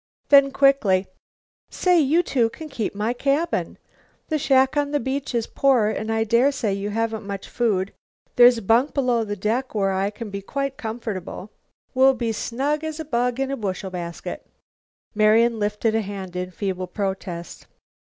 Then quickly, "Say, you two can keep my cabin. The shack on the beach is poor, and I dare say you haven't much food. There's a bunk below the deck where I can be quite comfortable. We'll be snug as a bug in a bushel basket." Marian lifted a hand in feeble protest.